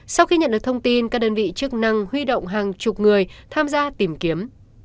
sau khi nhận được thông tin các đơn vị chức năng huy động hàng chục người tham gia tìm kiếm